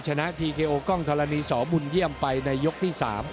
ชนะทีเคโอกล้องธรณีสบุญเยี่ยมไปในยกที่๓